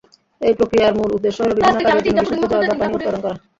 এই প্রক্রিয়ার মূল উদ্দেশ্য হল বিভিন্ন কাজের জন্য বিশুদ্ধ জল বা পানি উৎপাদন করা।